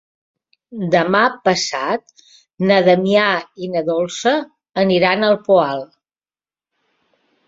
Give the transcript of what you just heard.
Demà passat na Damià i na Dolça aniran al Poal.